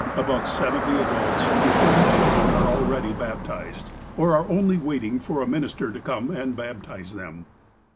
About seventy adults and twenty children are already baptized, or are only waiting for a minister to come and baptize them.